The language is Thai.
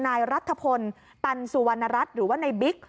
นายรัฐพลตันสุวรรณรัฐหรือว่าในบิ๊ก